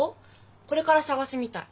これから探すみたい。